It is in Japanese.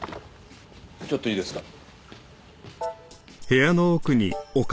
ちょっといいですか？